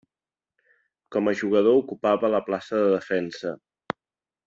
Com a jugador ocupava la plaça de defensa.